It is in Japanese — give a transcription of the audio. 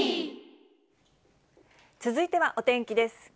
続いてはお天気です。